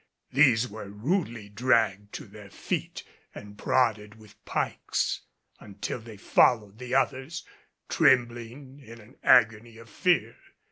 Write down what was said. These were rudely dragged to their feet and prodded with pikes until they followed the others, trembling in an agony of fear.